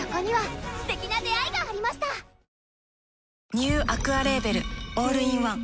ニューアクアレーベルオールインワン